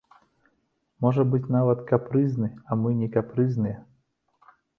Можа быць нават капрызны, а мы не капрызныя.